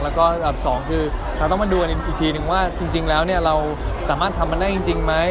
แล้วก็อันดับสองคือเราต้องมาดูกันอีกทีนึงว่าจริงแล้วเราสามารถทำมันได้จริงไหม